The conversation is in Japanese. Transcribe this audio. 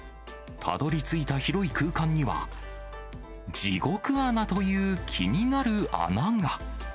たどりついた広い空間には、地獄穴という気になる穴が。